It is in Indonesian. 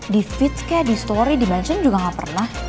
di fitch kayak di story di mansion juga gak pernah